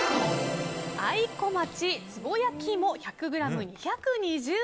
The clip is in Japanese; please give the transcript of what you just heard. あいこまち壺焼き芋１００ｇ、２２０円。